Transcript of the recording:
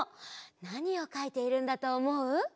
なにをかいているんだとおもう？